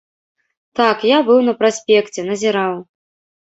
Так, я быў на праспекце, назіраў.